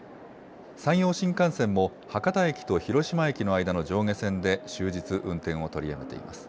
山陽新幹線も博多駅と広島駅の間の上下線で終日運転を取りやめています。